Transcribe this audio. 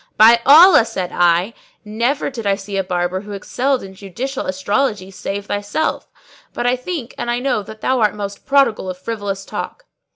"By Allah," said I, "never did I see a barber who excelled in judicial astrology save thyself: but I think and I know that thou art most prodigal of frivolous talk.